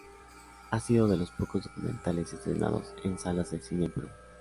Ha sido de los pocos documentales estrenados en salas de cine en Perú.